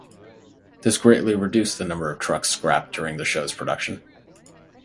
This greatly reduced the number of trucks scrapped during the show's production.